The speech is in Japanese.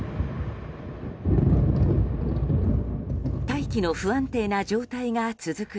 大気が不安定な状態が続く